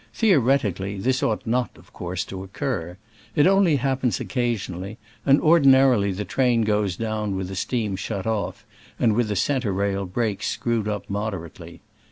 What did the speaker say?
Theoretically, this ought not of course to occur ; it only happens occasionally, and ordinarily the train goes down with the steam shut off, and with the centre rail brakes screwed up moderately.